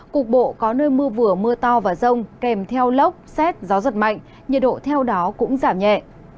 cục bộ có nơi mưa vừa mưa to và rông kèm theo lốc xét gió giật mạnh nhiệt độ theo đó cũng giảm nhẹ